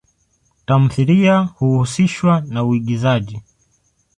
Tamthilia huhusishwa na uigizaji.